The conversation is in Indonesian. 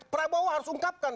prabowo harus ungkapkan